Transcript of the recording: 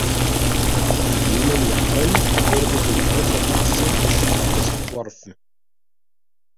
In jenen Jahren wurde die neue Verfassung des Staates entworfen.